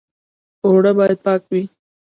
اوړه باید پاک وي